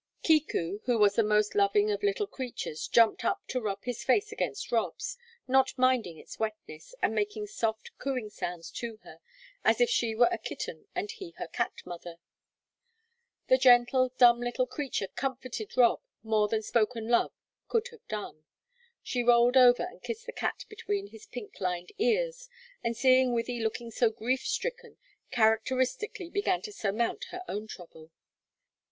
Kiku, who was the most loving of little creatures, jumped up to rub his face against Rob's, not minding its wetness, and making soft, cooing sounds to her as if she were a kitten and he her cat mother. The gentle, dumb, little creature comforted Rob more than spoken love could have done. She rolled over and kissed the cat between his pink lined ears, and, seeing Wythie looking so grief stricken, characteristically began to surmount her own trouble.